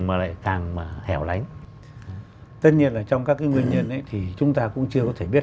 mà lại càng hẻo lánh tất nhiên là trong các cái nguyên nhân thì chúng ta cũng chưa có thể biết